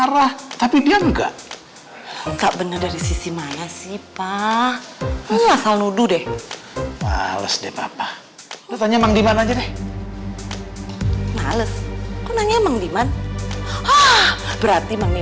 kalau kalian memang berani